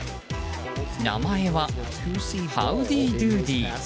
名前はハウディ・ドゥーディー。